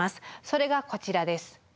それがこちらです。